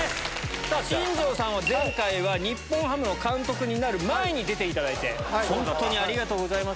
さあ、新庄さんは前回は日本ハムの監督になる前に出ていただいて、本当にありがとうございます。